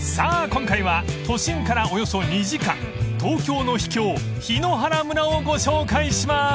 今回は都心からおよそ２時間東京の秘境檜原村をご紹介します］